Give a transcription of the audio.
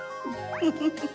フフフフ。